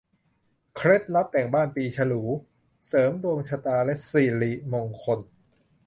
เคล็ดลับแต่งบ้านปีฉลู เสริมดวงชะตาและสิริมงคล